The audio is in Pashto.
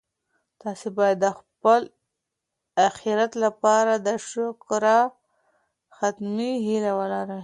تاسي باید د خپل اخیرت لپاره د شاکره خاتمې هیله ولرئ.